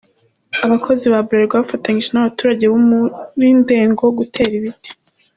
Abakozi ba Bralirwa bafatanyije n'abaturage bo muri Ndego gutera ibiti.